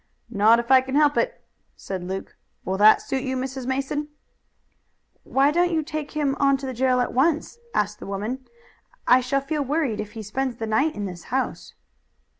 "Not if I can help it," said Luke. "Will that suit you, Mrs. Mason?" "Why don't you take him on to the jail at once?" asked the woman. "I shall feel worried if he spends the night in this house."